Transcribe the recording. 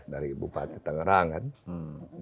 dari bupati tangerang kan